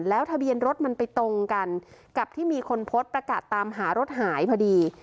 แล้วทะเบียนรถมันไปตรงกันกับที่มีคนโพสต์ประกาศตามหารถหายพอดี